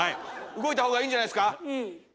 動いた方がいいんじゃないっすか？